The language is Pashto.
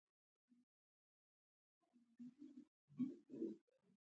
خپل ځان ته په خپله دېکه ورکړئ دا مهم دی.